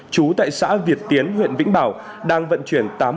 chú tại xã việt tiến huyện vĩnh bảo đang vận chuyển tám hộp pháo nổ